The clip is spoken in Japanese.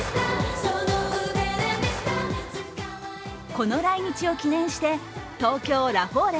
この来日を記念して東京・ラフォーレ